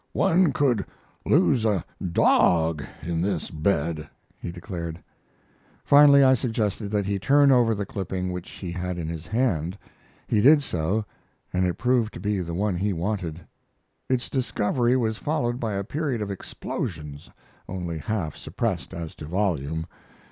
"One could lose a dog in this bed," he declared. Finally I suggested that he turn over the clipping which he had in his hand. He did so, and it proved to be the one he wanted. Its discovery was followed by a period of explosions, only half suppressed as to volume.